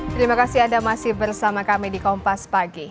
terima kasih anda masih bersama kami di kompas pagi